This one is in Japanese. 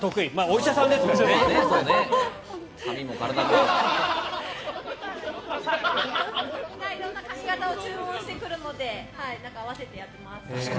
色んな髪形を注文してくるので合わせてやります。